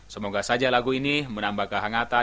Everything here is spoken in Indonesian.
semoga saja lagu ini menambah kehangatan